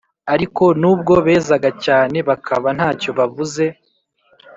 Ariko nubwo bezaga cyane bakaba ntacyo babuze,